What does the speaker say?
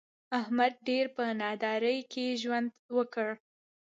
احمد ډېر په نادارۍ کې ژوند وکړ.